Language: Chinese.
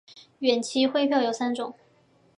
远期汇票有三种。